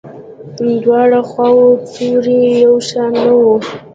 دواړو خواوو توري یو شان نه وو.